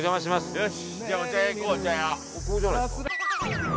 よし。